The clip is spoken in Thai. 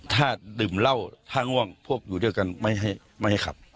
ถ้าดื่มเหล้าถ้าง่วงพวกอยู่ด้วยกันไม่ให้ขับ